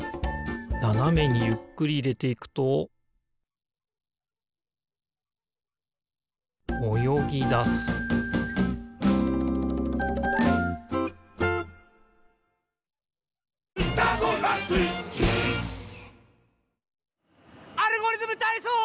ななめにゆっくりいれていくとおよぎだす「アルゴリズムたいそう」！